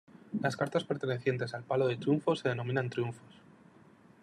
Las cartas pertenecientes al palo de triunfo se denominan triunfos.